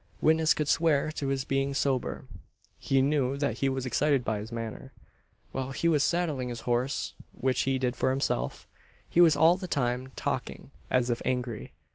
Witness could swear to his being sober. He knew that he was excited by his manner. While he was saddling his horse which he did for himself he was all the time talking, as if angry.